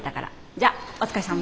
じゃあお疲れさん。